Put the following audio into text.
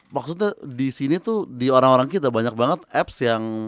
maksudnya di sini tuh di orang orang kita banyak banget apps yang